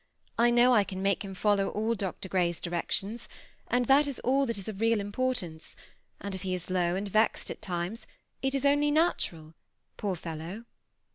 I know I can make him follow all Dr. Grej*s directions, and that is all that is of real importance ; and if he is low and vexed at times, it is only natural, poor fellow